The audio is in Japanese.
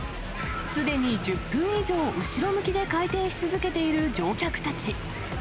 すでに１０分以上、後ろ向きで回転し続けている乗客たち。